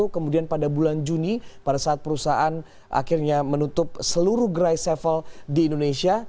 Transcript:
kemudian pada bulan juni pada saat perusahaan akhirnya menutup seluruh gerai sevel di indonesia